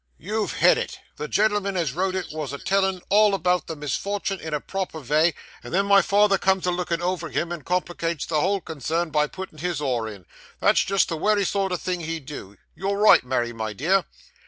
'You've hit it. The gen'l'm'n as wrote it wos a tellin' all about the misfortun' in a proper vay, and then my father comes a lookin' over him, and complicates the whole concern by puttin' his oar in. That's just the wery sort o' thing he'd do. You're right, Mary, my dear.